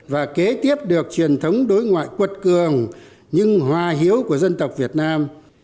và kế tiếp được truyền thống đối ngoại quật cường nhưng hòa hiếu của dân tộc việt nam